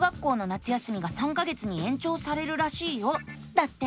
だって！